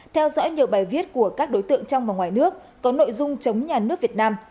theo dõi nhiều bài viết của các đối tượng trong và ngoài nước có nội dung chống nhà nước việt nam